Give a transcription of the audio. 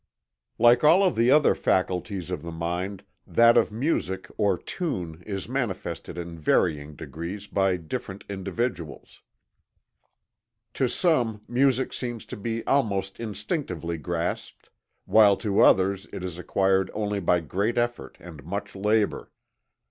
Like all of the other faculties of the mind, that of music or tune is manifested in varying degrees by different individuals. To some music seems to be almost instinctively grasped, while to others it is acquired only by great effort and much labor.